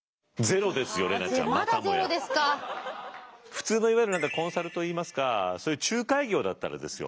普通のいわゆるコンサルといいますかそういう仲介業だったらですよ